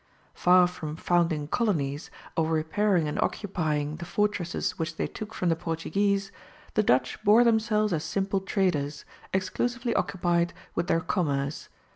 Far from founding colonies, or repairing and occupying the fortresses which they took from the Portuguese, the Dutch bore themselves as simple traders, exclusively occupied with their commerce.